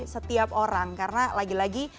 setiap orang karena lagi lagi